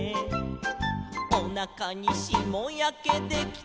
「おなかにしもやけできたとさ」